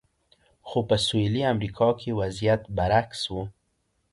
خو په سویلي امریکا کې وضعیت برعکس و.